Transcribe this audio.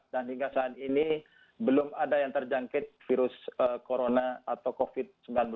dan hingga saat ini belum ada yang terjangkit virus corona atau covid sembilan belas